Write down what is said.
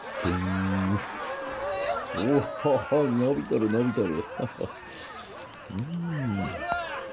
お伸びとる伸びとる。